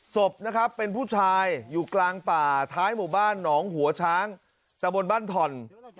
ศพนะครับเป็นผู้ชายอยู่กลางป่าท้ายหมู่บ้านหนองหัวช้างตะบนบ้านถ่อน